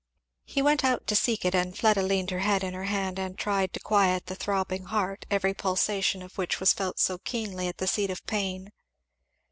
He went out to seek it; and Fleda leaned her head in her hand and tried to quiet the throbbing heart every pulsation of which was felt so keenly at the seat of pain.